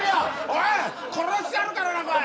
おい殺してやるからなお前！